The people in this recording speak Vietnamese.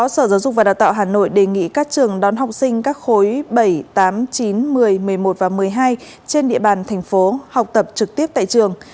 sở giáo dục và đào tạo hà nội đề nghị các trường đón học sinh các khối bảy tám chín một mươi một mươi một và một mươi hai trên địa bàn thành phố học tập trực tiếp tại trường